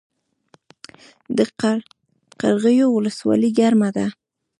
د قرغیو ولسوالۍ ګرمه ده